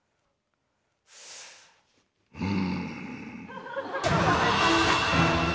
うん。